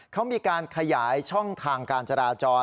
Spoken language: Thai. เขามีการขยายช่องทางการจราจร